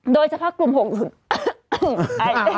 โดยเฉพาะกลุ่ม๖๐๘ไอเห็นไหม